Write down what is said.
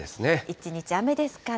一日雨ですかね。